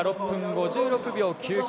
６分５６秒９９。